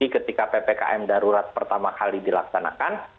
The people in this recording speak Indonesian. ketika ppkm darurat pertama kali dilaksanakan